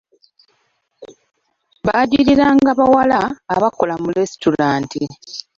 Bajjiriranga bawala abakolanga mu lesitulanta.